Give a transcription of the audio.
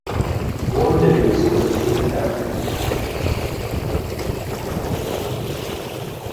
Warren Davis was the team captain.